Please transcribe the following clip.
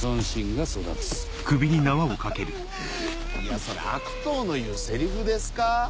いやそれ悪党の言うセリフですか？